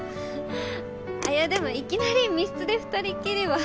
あいやでもいきなり密室で２人っきりは。